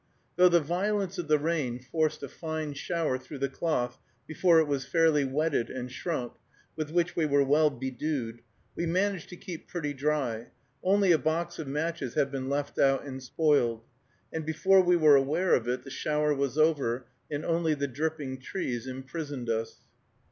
Though the violence of the rain forced a fine shower through the cloth before it was fairly wetted and shrunk, with which we were well bedewed, we managed to keep pretty dry, only a box of matches having been left out and spoiled, and before we were aware of it the shower was over, and only the dripping trees imprisoned us.